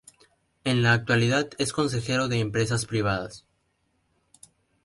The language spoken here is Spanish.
En la actualidad es consejero de empresas privadas.